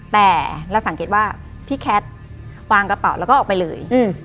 แต่เราสังเกตว่าพี่แคทวางกระเป๋าแล้วก็ออกไปเลย